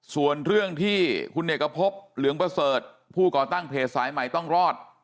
ส่วนเรื่องที่คุณเอกพบเหลืองประเสริฐผู้ก่อตั้งเพจสายใหม่ต้องรอด